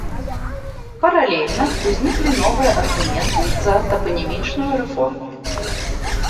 Паралельна ўзніклі новыя аргументы за тапанімічную рэформу.